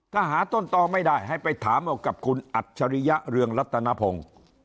ถ้าหาต้นต่อไม่ได้ให้ไปถามเอากับคุณอัจฉริยะเรืองรัตนพงศ์